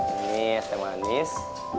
ini es teh manis